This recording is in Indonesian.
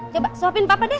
coba suapin papa deh